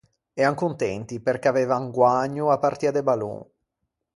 Ean contenti perché aveivan guägno a partia de ballon.